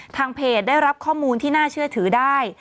ทางเพจได้รับข้อมูลที่น่าเชื่อถือได้